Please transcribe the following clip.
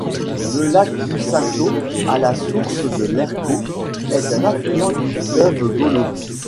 Le lac du Cinto à la source de l'Erco, un affluent du fleuve Golo.